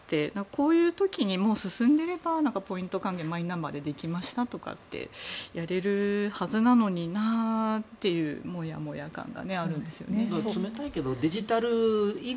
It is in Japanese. こういう時にもう進んでいればポイント還元をマイナンバーでできましたとかってやれるはずなのになっていうもやもや感があるんですけどね。